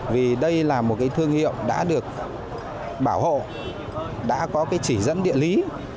vì đây là một cái thương hiệu đã được bảo hộ đã có cái chỉ dẫn địa lý